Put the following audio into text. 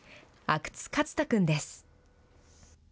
阿久津良斗君です。